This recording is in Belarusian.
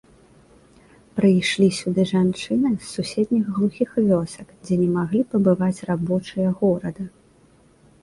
Прыйшлі сюды жанчыны з суседніх глухіх вёсак, дзе не маглі пабываць рабочыя з горада.